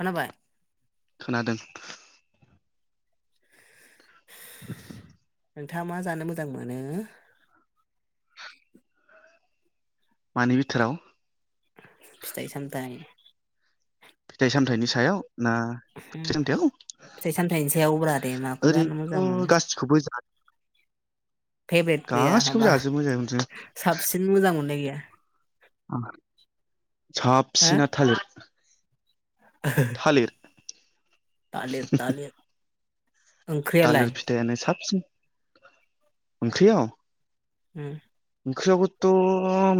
खोनाबाय? खोनादों। [unintelligible] नोंथाङा मा जानो मोजां मोनो? मानि बिथोराव? फिथाइ सामथायाइ। फिथाइ सामथायाइनि सायाव? ना फिथाइ सामथायाव? फिथाइ सामथाइनि सायावब्रा दे माखौ जानो मोजां ओरैनोथ' मोनो गासिखौबो जायो। फेभेट गैया गासिखौबो माबा जाजोबो जाजोबो जों साबसिन मोजां मोननाय गैया। साबसिना थालिर। थालिर तालिर तालिर। थालिर फिथाइयानो साबसिन। ओंख्रियाव उम। ओंख्रियाबोथ'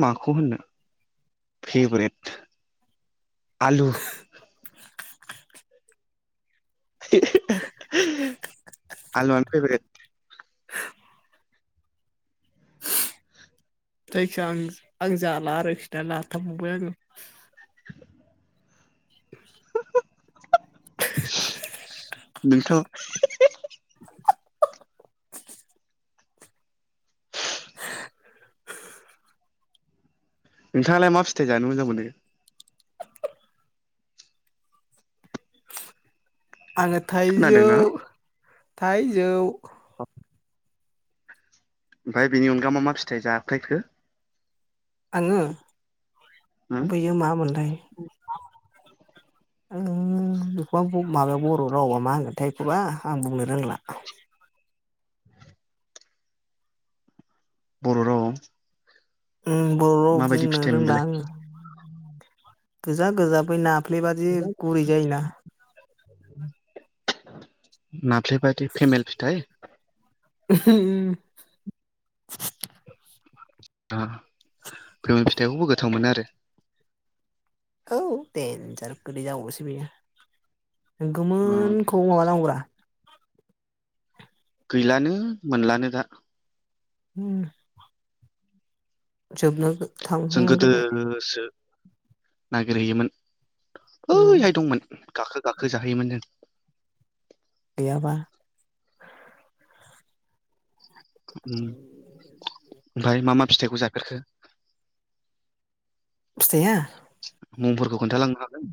माखौ होननो फेभरेट। आलु [unintelligible] आलुआनो फेभरेट जायखिजाया आं आं जाला आरोखि दा नाफामबो आङो। [unintelligible] [unintelligible] बेथ' [unintelligible] नोंथाङालाय मा फिथाइ जानो मोजां मोनो? आङो थाइजौ खोनादोंना थाइजौ [unintelligible] ओमफाय बेनि अनगा मा मा फिथाइ जाफेरखो? आङो उम बैयो मा मोनथाय ओम बेखौ आं माबायाव बर' रावाव मा होनगोनथाय एखौबा आं बुंनो रोंला बर' रावाव उम बर' रावाव माबायदि बुंनो फिथाइमोन रोंला बेलाय आङो। गोजा गोजा बै नाफ्लेबादि गुरै जायोना? नाफ्लेबादि फेमेल फिथाइ। [unintelligible] फेमेल फिथाइखौबो गोथाव मोनो आरो औ देन्जार गोदै जाबावोसो बेयो आरो गोमोनखौ माबानांगौरा, गैलानो मोनलानो दा। उम। जोबनांगौ जों गोदोसो नागिरहैयोमोन उम ओइहाय दंमोन। गाखो गाखो जाहोयोमोन जों। गैयाबा। उम ओमफाय मा मा फिथाइखौ जाफेरखो? फिथाइया। मुंफोरखौ खोन्थालांनो हागोन?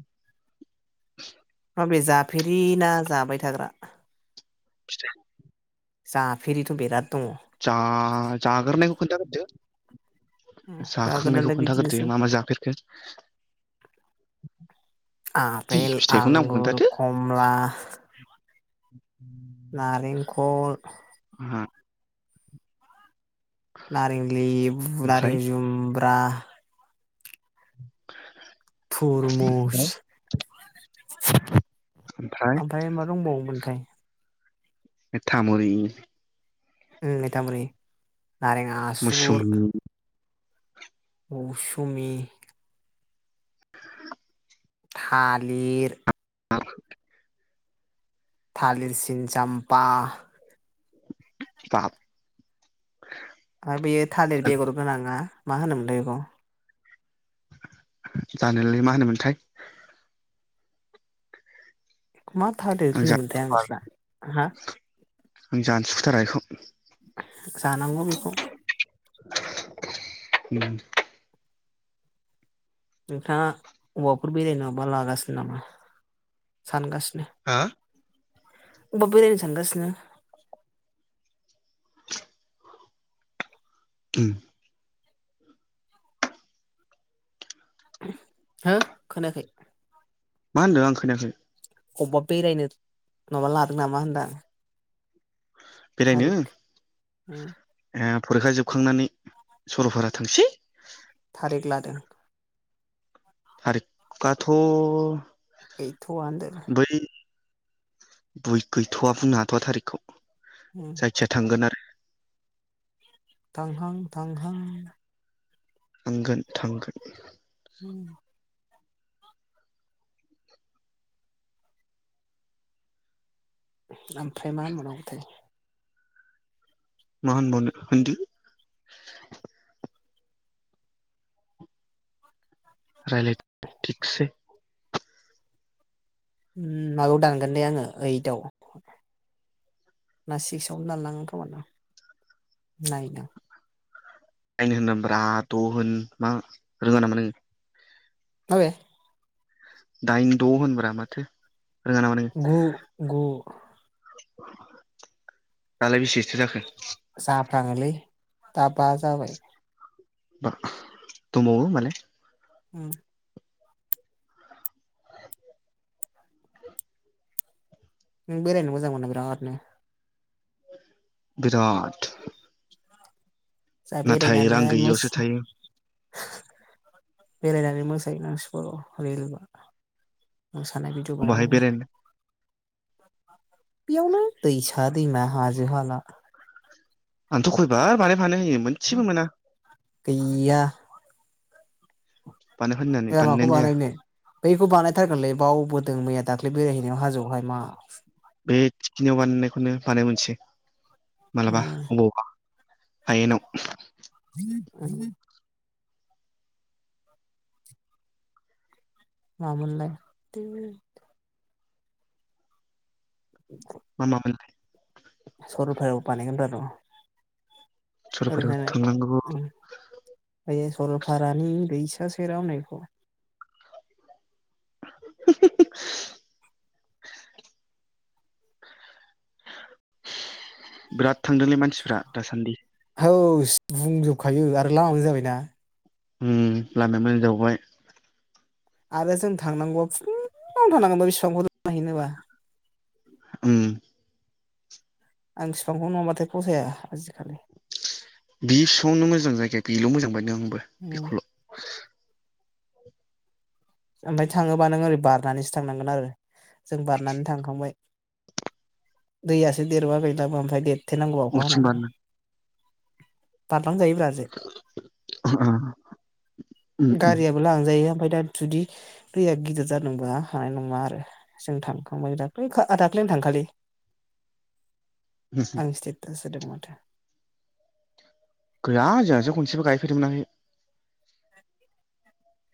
माबे जाफेरि ना जाबाय थाग्रा। फिथाइ, जाफेरिथ' बिराद दङ' जा जाग्रोनायखौ खोनथाग्रोदो। जाखांनायखौ जागोनालाय बिदिनोसै खोन्थाग्रोनोसै मा मा जाफेरखो। [unintelligible] दि आपेल फिथाइखौ नामखौ आंगुर खोन्थादो कमला। नारेंखल, [unintelligible] नारें लेबु, ओमफ्राय नारें जुमब्रा। [unintelligible] तुरमुस ओमफ्राय ओमफाय मा दङबावो मोनथाय। मिथा मै, ओ मिथा मै नारें आसुगुर, मुसुमि औ सुमि, थालिर। [unintelligible] थालिर सिनिसाम्पा, बाब, ओमफाय बेयो थालिर बेगर गोनाङा मा होनोमोनलाय बेखौ। जानोलै मा होनोमोनथाय। मा थालिर जानो होनोमोन्थाय आं सुखुथारा मिथिला हा? आं जानो सुखुथारा इखौ। जानांगौ बेखौ [unintelligible] नोंथाङा अबावबाफोर बेरायनो माबा लागासिनो नामा सानगासिनो हा अबाव बेरायनो सानगासिनो उम हो खोनायाखै? मा होनदों आं खोनायाखै? अबावबा बेरायनो माबा लादों नामा? होनदों आं। बेरायनो उम फरिखा जोबखांनानै सरलपारा थांसै। थारिक लादों। थारिकआथ' गैथ'आ होनदों बै बय गैथ'आ बुंनो हाथ'वा थारिखखौ ह [unintelligible] जायखिया थांगोन आरो थांहां थांहां थांगोन थांगोन [inaudible] ओमफ्राय मा होनबाव नांगौथाय मा होनबावनो होनदो रायज्लायदै थिगसै उम माबायाव दांगोन दे आङो ओइदवाव ना सिक्सआवनो दानलाङोन खोमा नायनां आइन होनो ब्रा द' होन मा रोङा नामा नों माबे दाइन द' होनब्रा माथो रोङा नामा नों गु गु दालाय बेसेथो जाखो जाफ्लाङोलै दा बा जाबाय। दंबावो माने उम- नों बेरायनो मोजां मोनो बिरादनो बिराट जोंहा नाथाय रां बेरायनानै गैयियावसो थायो बेरायनानै मोसाहनांसिग'ल रेल बा मोसानाय भिडिअ बाहाय बानायनांगौ बेरायनो बेयावनो दैसा दैमा हाजो हाला आंथ' खयबार बानायफानाय होयो मोनसेबो मोना गैया बानाय फाननानै एबार माखौ बानायनायानो जाया बानायनो बैखौ बानायथारगोनलै बावबोदों मैया दाख्लै बेरायहैनायाव हाजोआवहाय मा बे थिखिनियाव बानायनायखौनो बानाय मोनसै मालाबा उम अबावबा हायेनाव ह [unintelligible] मा मोनलाय? [unintelligible] मा- मामोनलाय सरलपायाव बानायगोनरा र' सरलपारायाव ओरैनालाय थांनांगौ बे सरलपारानि दैसा सेराव होन्नायखौ। हुम हुम हुम। बिराद थांदोंलै मानसिफ्रा दासान्दि। हौस बुंजोबखायो आरो लामाबो जाबायना। उम लामाया मोजां जाबावबाय। आरो जों थांनांगौआ फुंआवनो थांनांगौमोन [unintelligible] उम आं फिफांखौ नङाब्लाथाय फसाया आजिखालि। बि फिफांआवनो मोजां जायगाया बेल' मोजां बायदों आंबो। उम। बेखौल' ओमफ्राय थाङोबा नों ओरै बारनानैसो थांनांगोन आरो जों बारनानै थांखांबाय। दैयासो देरबा गैलाबो ओमफ्राय देरथेनांगौ अखा अबेथिं हानानै बारनो बारलां जायोब्रा। जाय उम उम गारियाबो लांजायो ओमफाय दा जुदि दैया गिदिर जादोंबा हानाय नङा आरो। जों थांखांबाय दाख्लै ओ दाख्लैनो थांखालि। आं स्तेतास होदों मोन। गैया जोंहासो खनसेबो गायफेरनो मोनाखै।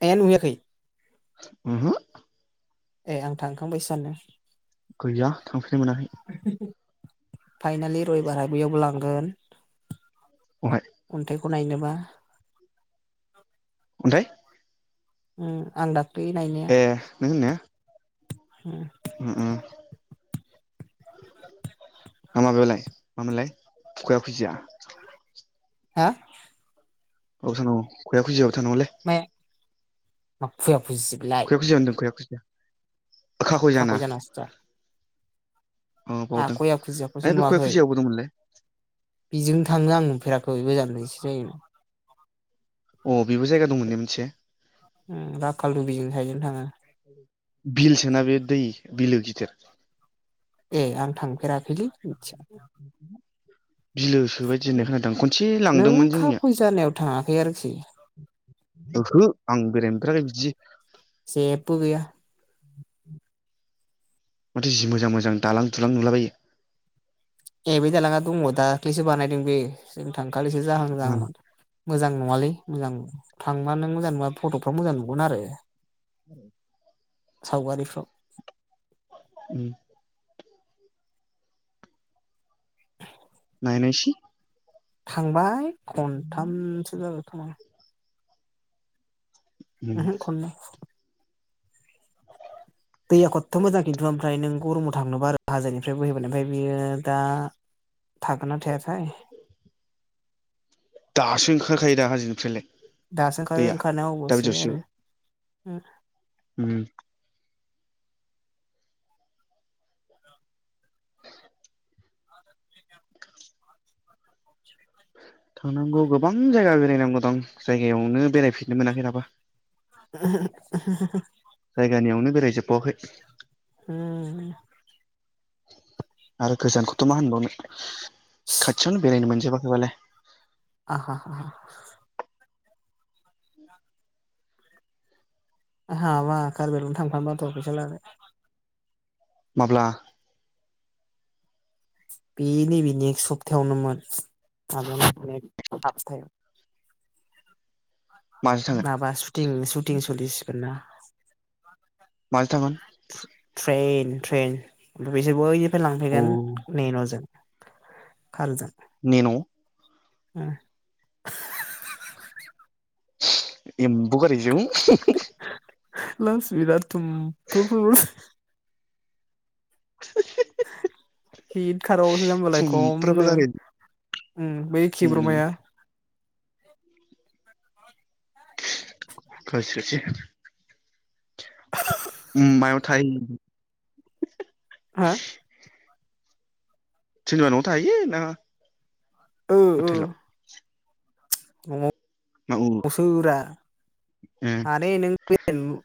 ए नुहैयाखै। उमहो। ए आं थांखांबायसो सान्दों। गैया थांफेरनो मोनाखै फाइनालि रबिबारा बैयावबो लांगोन। अबहाय? अन्थाइखौ नायनोबा। अन्थाय। उम आं दाख्लै नायनाया ए नों होननाया उम। उम उम हा माबायावलाय मामोनलाय थुख्रा खुजिया। [inaudible] हा? गावसानाव खुखिया खुजियाव थांनांगोमोनले। मायो मा खुया खुजिसै बेलाय। खया खुजिया होन्दों खैया खुजिया। खाखयजाना खाखय जानासोदा। अ आहा बावदों खया ओइ खुजियाखौसो बे खया नुवाखै। खुजियावबो दंमोनलै बिजोंनो थाङो आं नुफेराखै गोजानथिंसो जायो। अ बेबो जायगा दंमोन ने मोनसे [inaudible] उम दाखाल बिजोनो सायकेल जों थाङो। बिल सोना बे दै बिलो गिदिर। ए आं थांफेराखैलै। बिलोसो बायदि होननाय [unintelligible] खोनादां खनसे नों लांदोंमोन जोंनिया खाफैसाले थाङाखै आरोखि। ओहो आं बेरायनो मोनफेराखै बिदि। जेबबो गैया। माथो जि मोजां मोजां दालां दुलां नुलाबायो। ए बै दालाङा दङ' दाख्लिसो बानायदों बे जों थांखालिसो जाहां जाहांमोन। मोजां नङालै मोजां थांबा नों मोजां नुवा फट'फ्राव मोजां नुगोन आरो औ। सावगारिफ्राव। [inaudible] नायनायसै। थांबाय खनथामसो जाबाय खोमा। उम ओहो ख'नै। दैया कत' मोजां खिन्थु ओमफ्राय नों गरम थांनोबा आरो हाजोनिफ्राय बोहैबानो ओमफ्राय बियो दा थागोन ना थायाथाय। दासो ओंखारखायो दा हाजोनिफ्रायलाय। दासो ओंखारो दैया ओंखारनाया दा अबासे आरो ओं। ओम। [inaudible] थांनांगौ गोबां जायगा बेरायनांगौ दं जायगायावनो बेरायफेरनो मोनाखै दाबो। [inaudible] जायगानियावनो बेराय जोबबावाखै। उम आरो गोजानखौथ' मा होनबावनो खाथियावनो बेरायनो मोनजोबाखैबालाय। [inaudible] ओहाबा कार्बि आंलं थांफानोबा थ' फैसा लानानै। माब्ला? बे नैबे नेक्स सप्तायावनोमोन [unintelligible] माजों? थांगोन माबा सुटिं सुटिं सोलिसिगोन ना। [inaudible] माजों थांगोन? ट्रेन ट्रेन ओमफ्राय बिसोरखौ ओइनिफ्राय अ लांफैगोन नेन'जों। खारजों। नेन'? ओम। एम्बु गारिजों? [inaudible] [inaudible] थुमफ्रुफ्रु [unintelligible] हित खारबाओसो जामबालाय सुमफ्राबा खमनो। गारि ओम बै उम खिब्रमाया [unintelligible] ओम मायाव थाइ हा? सोरनिबा न'आव थायो ना? ओ ओ। हटेलाव ना औ न'आव सो होग्रा ए हाने नों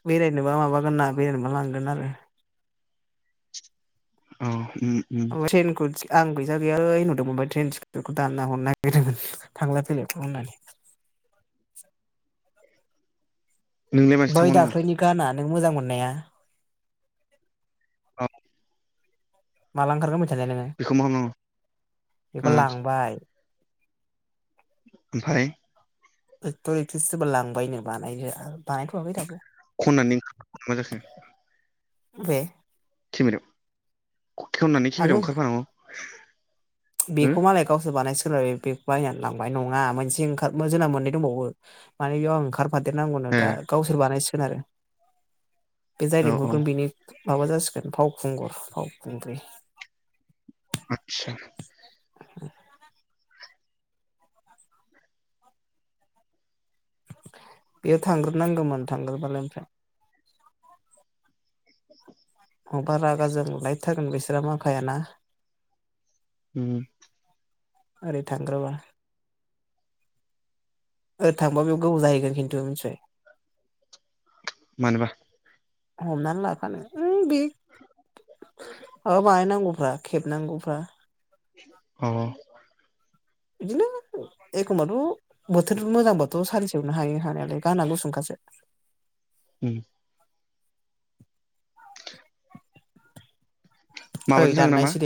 बेरायनोबा माबागोनना बेरायनोबा लांगोन आरो। औ ओम। [unintelligible] आं फैसा गैयालै होनहरदोंमोन ट्रेन टिकेटखौ दानना हरनो नागिरदोंमोन थांलाय फैलायखौ होननानै। नोंलाय माथो बै थांबावनांगौ दाख्लैनि गाना नों मोजां मोननाया औ माला ओंखारगोन मोनथिआ ने नोंङो? बेखौ मा खालामनांगौ बेखौ ओ लांबाय। ओमफाय एक्टर एक्ट्रि सोरबा लांबायनो बानायनो बानायथ'वाखै दाबो। खननानै ओंखार मा जाखो? बेे केमेरायाव खेवनानै आङो केेमेरायाव ओंखारफानांगौ। हो बेखौ मालाय गावसोर बानाय सिगोनब्रा बे। बेखौ बायनानै लांबाय नंङा मोनसे ओंखार जोंना मोननै दंबावो। माने बेयाव आं ओंखारफादेरनांगौनो ए दा गावसोर बानायसिगोन आरो। बे जाय औ औ लिंहरगोन बेनि माबा जासिगोन फावखुंगुर फावखुंग्रि। आतसा। [unintelligible] बेयो थांग्रोनांगोमोन थांग्रोबालाय। [inaudible] मबा रागा जोंलायथारगोन बिसोरा माखायाना? ओम। ओरै थांग्रोबा ओरै थांबा बेव गोबाव जाहैगोन खिन्थु मिथिबाय। मानोबा? हमना लाफानो उम बे माबा बानायनांगौफ्रा खेबनांगौफ्रा? औ-औ बिदिनो एखमबाथ' बोथोर मोजांबाथ' सानसेयावनो हायो हानायालाय गाना गुसुंखासो। ओम ओइ माबाजों नामा? दाननायसै दे